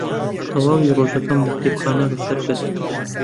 تەواوی ڕۆژەکەم لە کتێبخانە بەسەر برد.